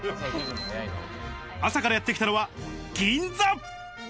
朝からやってきたのは銀座。